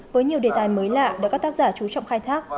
với nhiều đề tài mới lạ được các tác giả trú trọng khai thác